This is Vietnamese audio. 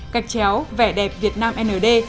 cạch chéo vẻ đẹp việt nam nd